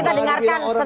nanti kita dengarkan